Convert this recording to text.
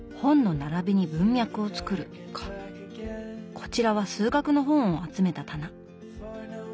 こちらは数学の本を集めた棚。